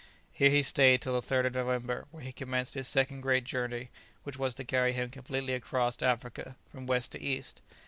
Here he stayed till the 3rd of November, when he commenced his second great journey, which was to carry him completely across Africa from west to east.